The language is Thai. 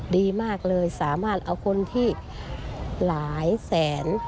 ดีมากเลยสามารถเอาคนที่หลายแสน